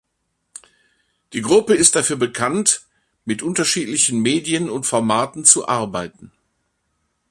Die Gruppe ist dafür bekannt, mit unterschiedlichen Medien und Formaten zu arbeiten.